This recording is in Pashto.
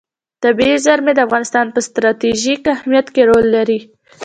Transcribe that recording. طبیعي زیرمې د افغانستان په ستراتیژیک اهمیت کې رول لري.